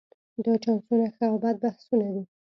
دا چانسونه ښه او بد بختونه دي.